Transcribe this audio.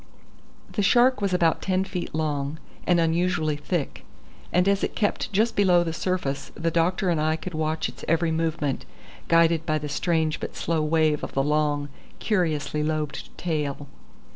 The shark was about ten feet long and unusually thick; and as it kept just below the surface the doctor and I could watch its every movement, guided by the strange but slow wave of the long, curiously lobed tail.